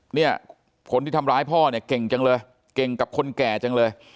เนี่ยคนที่ทำร้ายพ่อเนี่ยเก่งจังเลยเก่งกับคนแก่จังเลย